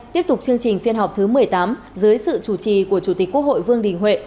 tiếp tục chương trình phiên họp thứ một mươi tám dưới sự chủ trì của chủ tịch quốc hội vương đình huệ